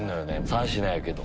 ３品やけど。